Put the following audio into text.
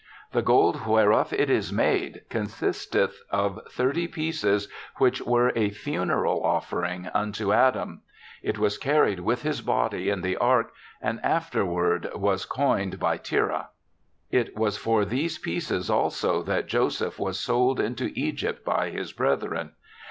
The gold whereof it is made consisteth of thirty pieces, which were a funeral offering unto Adam. It was carried with his body in the Ark', and after ward was coined by Terah. It was for these pieces, also, that Joseph was sold into Egypt by his brethren.